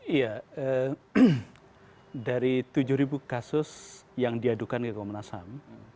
iya dari tujuh kasus yang diadukan ke komnas ham